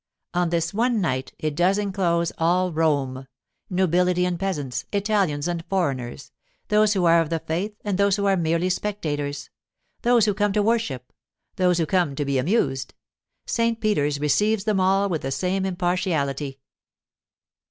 On this one night it does inclose all Rome—nobility and peasants, Italians and foreigners: those who are of the faith, and those who are merely spectators; those who come to worship; those who come to be amused—St. Peter's receives them all with the same impartiality.